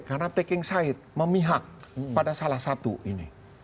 karena taking side memihak pada salah satu ini